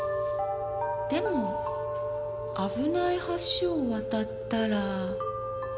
でも危ない橋を渡ったら。